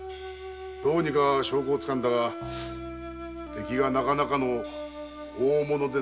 どうにか証拠を掴んだが敵がなかなかの大物でな。